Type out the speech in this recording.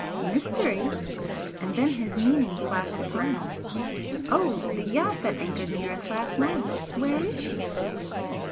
"Mystery?" And then his meaning flashed upon me. "Oh, the yacht that anchored near us last night! Where is she?"